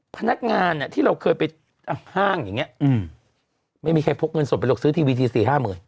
พนักงานที่เราเคยไปห้างอย่างนี้ไม่มีใครพกเงินสดไปหรอกซื้อทีวีทีสี่ห้าหมื่น